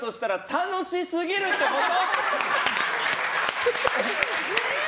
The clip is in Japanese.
楽しすぎるってこと！